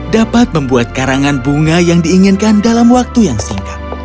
dapat membuat karangan bunga yang diinginkan dalam waktu yang singkat